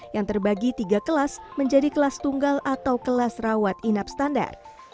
yang terbagi tiga kelas menjadi kelas tunggal atau kelas rawat inap standar